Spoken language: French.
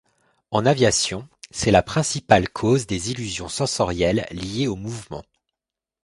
En aviation, c'est la principale cause des illusions sensorielles liées au mouvement.